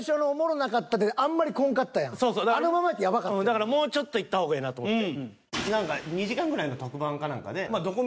だからもうちょっといった方がええなと思って。